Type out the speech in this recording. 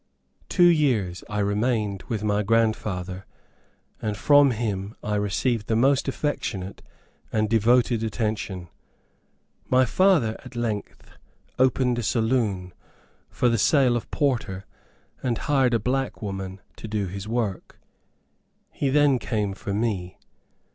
Two years I remained with my grandfather, and from him, I received the most affectionate and devoted attention. My father at length opened a saloon, for the sale of porter, and hired a black woman to do his work. He then came for me.